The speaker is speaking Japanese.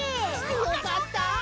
よかった！